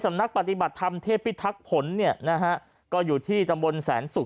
สำนักปฏิบัติทำเทพพิทักษ์ผลเนี่ยนะฮะก็อยู่ที่จำบลแสนสุข